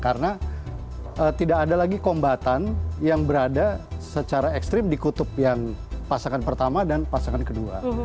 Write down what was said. ada lagi kombatan yang berada secara ekstrim dikutup yang pasangan pertama dan pasangan kedua